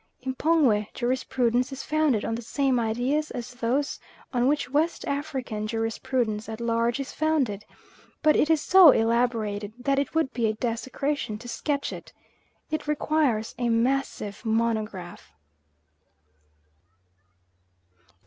M'pongwe jurisprudence is founded on the same ideas as those on which West African jurisprudence at large is founded, but it is so elaborated that it would be desecration to sketch it. It requires a massive monograph.